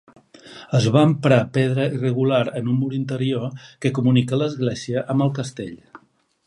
Es va emprar pedra irregular en un mur interior que comunica l'església amb el castell.